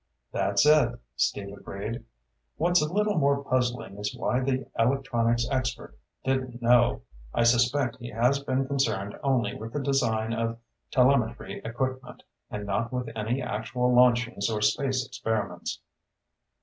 "That's it," Steve agreed. "What's a little more puzzling is why the electronics expert didn't know. I suspect he has been concerned only with the design of telemetry equipment and not with any actual launchings or space experiments."